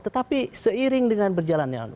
tetapi seiring dengan berjalan jalan